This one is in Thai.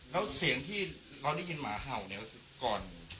แล้วเสียงที่เราได้ยินไหมแห่วแล้วก็ก่อน